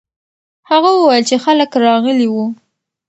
هغه وویل چې خلک راغلي وو.